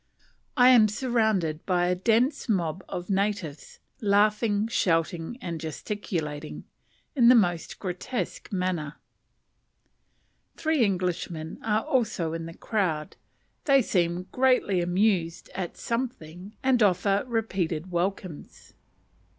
I am surrounded by a dense mob of natives, laughing, shouting, and gesticulating, in the most grotesque manner. Three Englishmen are also in the crowd; they seem greatly amused at something, and offer repeated welcomes.